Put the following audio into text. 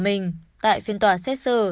mình tại phiên tòa xét xử